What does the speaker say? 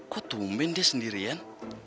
kok tumben dia sendirian